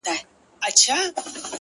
قرآن. انجیل. تلمود. گیتا به په قسم نیسې.